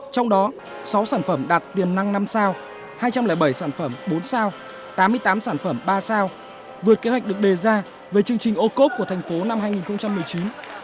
trong đó sáu sản phẩm đạt tiềm năng năm sao hai trăm linh bảy sản phẩm bốn sao tám mươi tám sản phẩm ba sao vượt kế hoạch được đề ra về chương trình ô cốp của thành phố năm hai nghìn một mươi chín